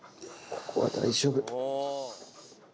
ここは大丈夫。